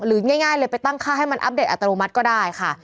ง่ายเลยไปตั้งค่าให้มันอัปเดตอัตโนมัติก็ได้ค่ะ